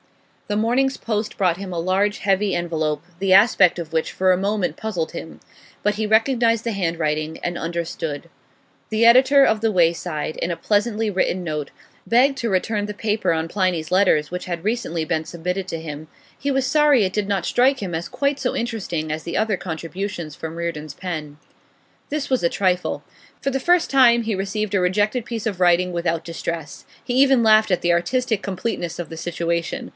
The morning's post brought him a large heavy envelope, the aspect of which for a moment puzzled him. But he recognised the handwriting, and understood. The editor of The Wayside, in a pleasantly written note, begged to return the paper on Pliny's Letters which had recently been submitted to him; he was sorry it did not strike him as quite so interesting as the other contributions from Reardon's pen. This was a trifle. For the first time he received a rejected piece of writing without distress; he even laughed at the artistic completeness of the situation.